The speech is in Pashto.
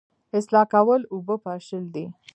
اصلاح کول اوبه پاشل دي